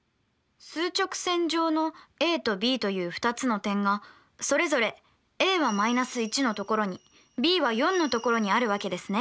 数直線上のＡとＢという２つの点がそれぞれＡは−１の所にＢは４の所にあるわけですね。